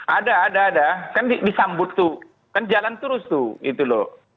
ada ada ada kan disambut tuh kan jalan terus tuh